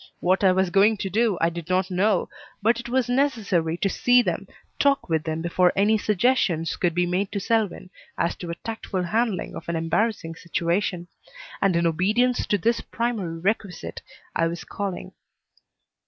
What I was going to do I did not know, but it was necessary to see them, talk with them before any suggestions could be made to Selwyn as to a tactful handling of an embarrassing situation; and in obedience to this primary requisite I was calling.